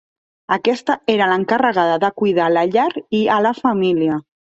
Aquesta era l'encarregada de cuidar la llar i a la família.